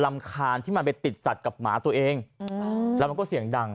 รำคาญที่มันไปติดศัพท์กับหมาตัวเองอืมอ่าแล้วมันก็เสียงดัง